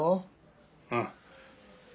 うん。